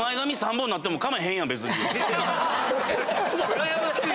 うらやましい。